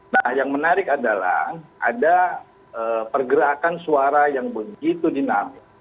nah yang menarik adalah ada pergerakan suara yang begitu dinamis